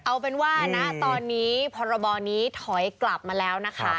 เอาเป็นว่าณตอนนี้พรบนี้ถอยกลับมาแล้วนะคะ